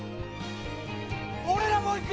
俺らも行く！